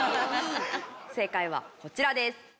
正解はこちらです。